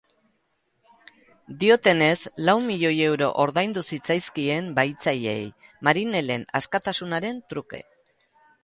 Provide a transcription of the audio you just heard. Diotenez, lau miloi euro ordaindu zitzaizkien bahitzaileei, marinelen askatasunaren truke.